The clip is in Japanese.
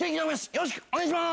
よろしくお願いします。